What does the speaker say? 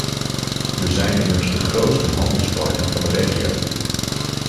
We zijn immers de grootste handelspartner van de regio.